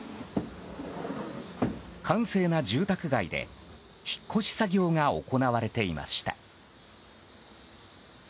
閑静な住宅街で、引っ越し作業が行われていました。